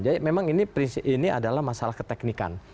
jadi memang ini adalah masalah keteknikan